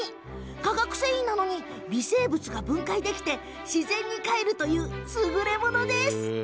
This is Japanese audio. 化学繊維なのに微生物が分解できて自然に返るというすぐれものです。